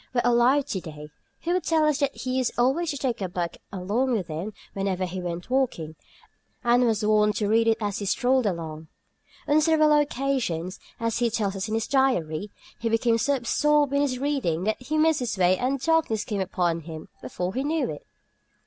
were alive to day he would tell us that he used always to take a book along with him whenever he went walking, and was wont to read it as he strolled along. On several occasions (as he tells us in his diary) he became so absorbed in his reading that he missed his way and darkness came upon him before he knew it.